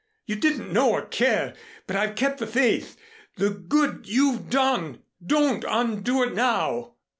You didn't know or care, but I've kept the faith the good you've done don't undo it now."